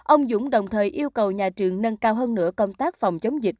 ông dũng đồng thời yêu cầu nhà trường nâng cao hơn nữa công tác phòng chống dịch